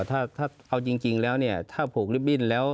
ถ้าเอาจริงแล้วเนี่ยถ้าผูกลิฟตบิ้นแล้ว